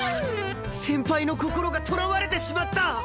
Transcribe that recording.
先輩の心がとらわれてしまった！